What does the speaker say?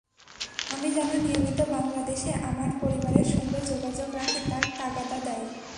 আমি যেন নিয়মিত বাংলাদেশে আমার পরিবারের সঙ্গে যোগাযোগ রাখি তার তাগাদা দেয়।